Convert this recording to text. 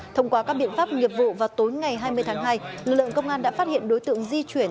thông qua các biện pháp nghiệp vụ vào tối ngày hai mươi tháng hai lực lượng công an đã phát hiện đối tượng di chuyển